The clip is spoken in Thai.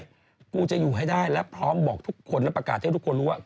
กูจะอยู่ให้ได้และพร้อมบอกทุกคนและประกาศให้ทุกคนรู้ว่า